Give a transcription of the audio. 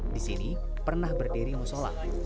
di sini pernah berdiri musola